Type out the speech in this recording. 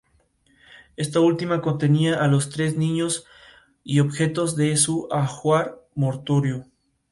Esta última contenía a los tres niños y objetos de su ajuar mortuorio.